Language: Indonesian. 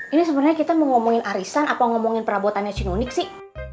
ini sebenarnya kita mau ngomongin arisan atau ngomongin perabotannya si nunik sih